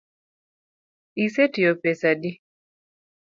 Isetiyo pesa adi?